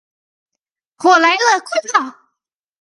火來了，快跑